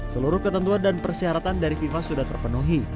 seluruh ketentuan dan persyaratan dari fifa sudah terpenuhi